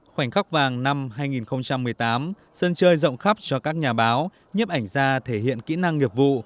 khoảnh khắc vàng năm hai nghìn một mươi tám sân chơi rộng khắp cho các nhà báo nhấp ảnh ra thể hiện kỹ năng nghiệp vụ